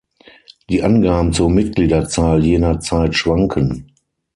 Die Angaben zur Mitgliederzahl jener Zeit schwanken.